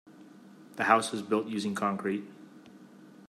The house was built using concrete.